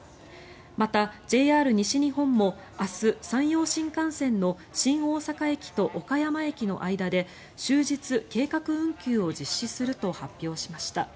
またＪＲ西日本も明日、山陽新幹線の新大阪駅と岡山駅の間で終日、計画運休を実施すると発表しました。